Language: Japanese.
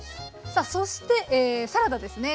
さあそしてサラダですね。